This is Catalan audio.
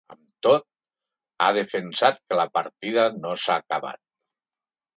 Amb tot, ha defensat que la partida ‘no s’ha acabat’.